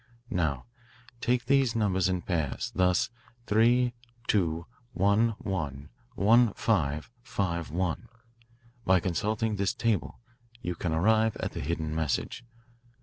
"Now, take these numbers in pairs, thus 3 2; 1 1; 1 5; 5 1. By consulting this table you can arrive at the hidden message.